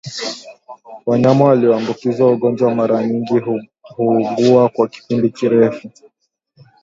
Wanyama walioambukizwa ugonjwa mara nyingi huugua kwa kipindi kirefu